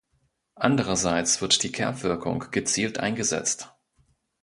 Andererseits wird die Kerbwirkung gezielt eingesetzt.